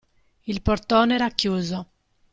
Il portone era chiuso.